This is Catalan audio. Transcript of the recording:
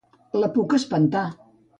La puc espantar